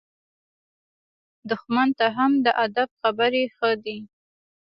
دښمن ته هم د ادب خبرې ښه دي.